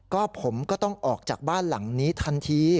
ก็ผมก็ต้องออกจากบ้านหลังนี้ทันที